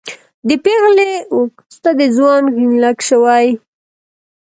د پېغلې و کوس ته د ځوان غڼ لک شوی